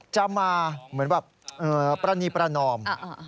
จะมาเหมือนแบบปรณีประนอม